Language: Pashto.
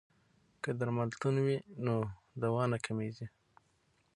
که درملتون وي نو دوا نه کمیږي.